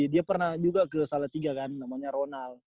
dia pernah juga ke salah tiga kan namanya ronald